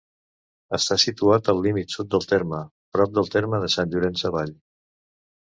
Està situat al límit sud del terme, prop del terme de Sant Llorenç Savall.